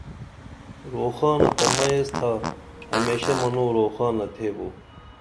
روخانہ تہ مئیس تھا ہمیشہ منوں روخانہ تِھیو